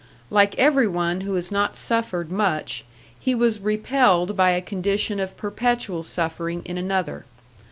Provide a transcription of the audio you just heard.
Like every one who has not suffered much, he was repelled by a condition of perpetual suffering in another.